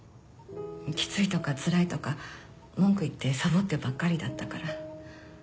きついとかつらいとか文句言ってサボってばっかりだったから。